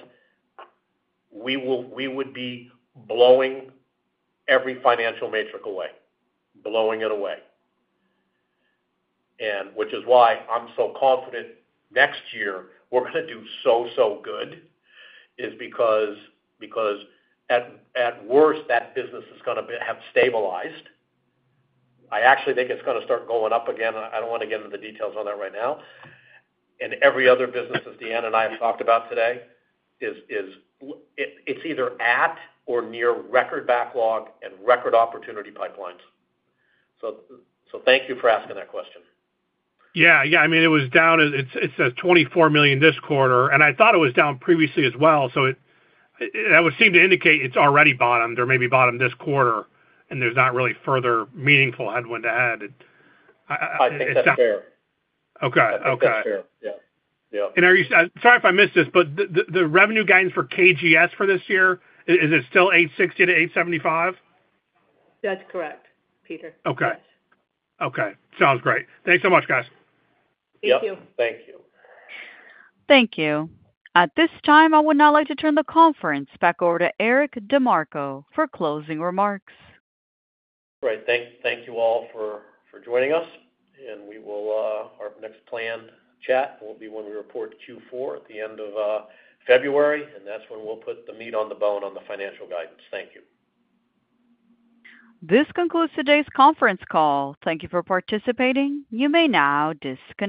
we would be blowing every financial metrics away, blowing it away. And which is why I'm so confident next year we're going to do so, so good is because at worst, that business is going to have stabilized. I actually think it's going to start going up again. I don't want to get into the details on that right now. Every other business that Deanna and I have talked about today, it's either at or near record backlog and record opportunity pipelines. So thank you for asking that question. Yeah. Yeah. I mean, it was down. It says $24 million this quarter. And I thought it was down previously as well. So that would seem to indicate it's already bottomed or maybe bottomed this quarter, and there's not really further meaningful headwind ahead. I think that's fair. Okay. Okay. That's fair. Yeah. Yeah. And sorry if I missed this, but the revenue guidance for KGS for this year, is it still $860-$875? That's correct, Peter. Yes. Okay. Okay. Sounds great. Thanks so much, guys. Thank you. Yep. Thank you. Thank you. At this time, I would now like to turn the conference back over to Eric DeMarco for closing remarks. Great. Thank you all for joining us. Our next planned chat will be when we report Q4 at the end of February, and that's when we'll put the meat on the bone on the financial guidance. Thank you. This concludes today's conference call. Thank you for participating. You may now disconnect.